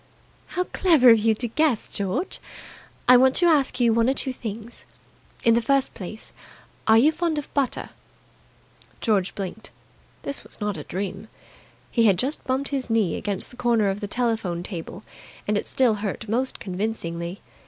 "How clever of you to guess. George, I want to ask you one or two things. In the first place, are you fond of butter?" George blinked. This was not a dream. He had just bumped his knee against the corner of the telephone table, and it still hurt most convincingly.